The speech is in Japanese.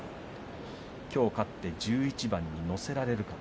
きょう勝って１１番に乗せられるか。